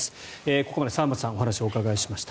ここまで沢松さんにお話をお伺いしました。